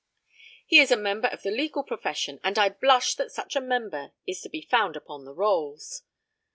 He is a member of the legal profession, and I blush that such a member is to found upon the rolls.